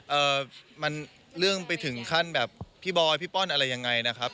เอ่อมันเรื่องไปถึงขั้นแบบพี่บอยพี่ป้อนอะไรยังไงนะครับ